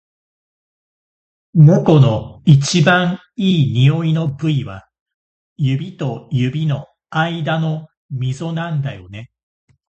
猫の一番いい匂いの部位は、指と指の間のみぞなんだよね。